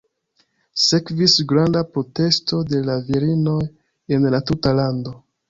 Sekvis granda protesto de la virinoj en la tuta lando.